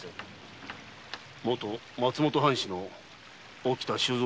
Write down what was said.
元松本藩士・沖田収蔵